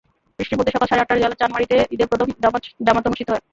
বৃষ্টির মধ্যেই সকাল সাড়ে আটটায় জেলার চানমারিতে ঈদের প্রধান জামাত অনুষ্ঠিত হয়।